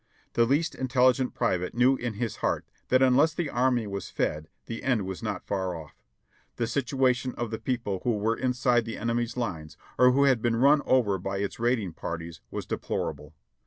The least intelligent private knew in his heart that unless the army was fed the end was not far off. The situation of the people who were inside the enemy's lines or who had been run over by its raiding parties was deplorable.